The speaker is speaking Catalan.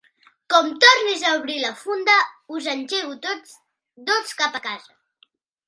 Com tornis a obrir la funda us engego tots dos cap a casa.